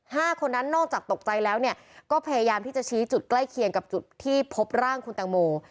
ห้าคนนั้นนอกจากตกใจแล้วเนี่ยก็พยายามที่จะชี้จุดใกล้เคียงกับจุดที่พบร่างคุณแตงโม